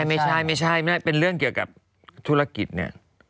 ไม่ใช่ไม่ใช่เป็นเรื่องเกี่ยวกับธุรกิจเนี่ย